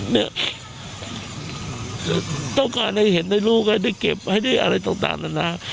เนี่ยต้องการให้เห็นได้ลูกให้ได้เก็บไว้ได้อะไรต่างนานา